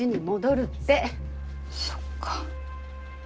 そっか。